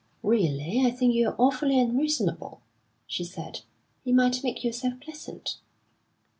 "Really, I think you're awfully unreasonable," she said. "You might make yourself pleasant."